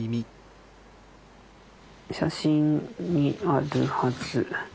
写真にあるはず。